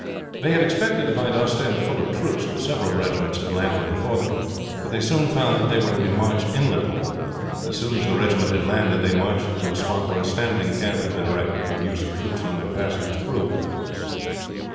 They had expected to find Ostend full of troops, for several regiments had landed before them; but they soon found they were to be marched inland. As soon as the regiment had landed they marched to a spot where a standing camp had been erected for the use of troops on their passage through.